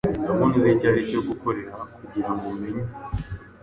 Ndabona uzi icyo aricyo gukoreha kugirango umenye,